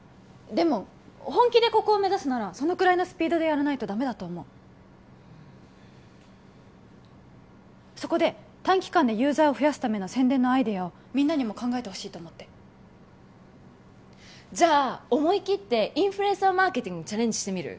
でも本気でここを目指すならそのくらいのスピードでやらないとダメだと思うそこで短期間でユーザーを増やすための宣伝のアイデアをみんなにも考えてほしいと思ってじゃあ思い切ってインフルエンサーマーケティングにチャレンジしてみる？